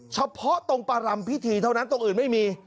เฉพาะตรงประรำพิธีเท่านั้นตรงอื่นไม่มี